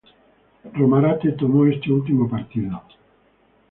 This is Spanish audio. Romarate tomó este último partido.